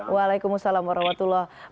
waalaikumsalam warahmatullahi wabarakatuh